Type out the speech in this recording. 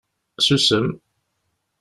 Susem!